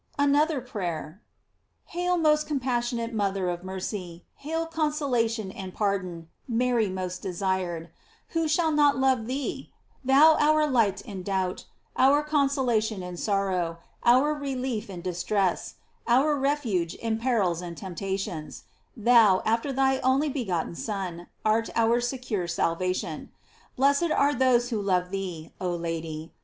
ANOTHER PRAYER. HAIL most compassionate mother of mercy ; hail consolation and pardon, Mary most desired. Who shall not love thee ? Thou our light in doubt, our consolation in sorrow, our relief in distress, our refuge in perils and temptations, thou, after thy only begotten Son, art our secure ealvation. Blessed are those who love thee, ob Lady.